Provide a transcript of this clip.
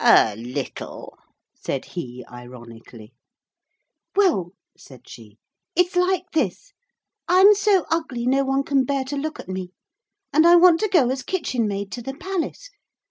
'A little,' said he ironically. 'Well,' said she, 'it's like this. I'm so ugly no one can bear to look at me. And I want to go as kitchenmaid to the palace.